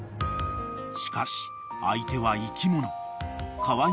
［しかし相手は生き物］